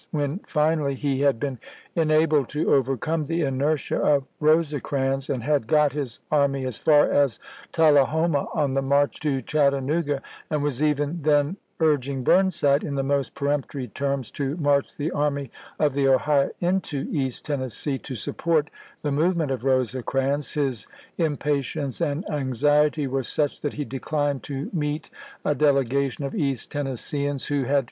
When, finally, he chap.vi. had been enabled to overcome the inertia of Rose crans, and had got his army as far as Tullahoma on the march to Chattanooga, and was even then urg ing Burnside in the most peremptory terms to march the Army of the Ohio into East Tennessee to support the movement of Rosecrans, his impa tience and anxiety were such that he declined to meet a delegation of East Tennesseeans who had Aug.